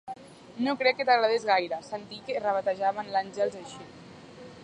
No crec que t'agradés gaire, sentir que rebatejaven l'Àngels així.